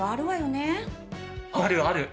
あるある。